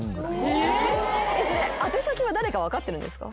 それ宛先は誰か分かってるんですか？